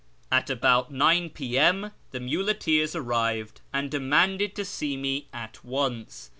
At about 9 P.i^i. the muleteers arrived and demanded to see me at once.